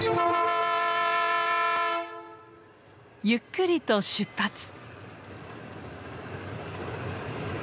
ゆっくりと出発。